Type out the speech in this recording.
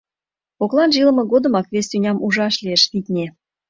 Кокланже илыме годымак вес тӱням ужаш лиеш, витне...